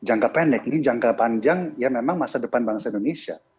jangka pendek ini jangka panjang ya memang masa depan bangsa indonesia